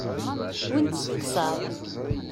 Win testeqsaḍ.